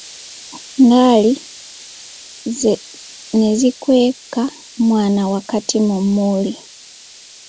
Ngaali ne zikweka omwana wakati mu mmuli.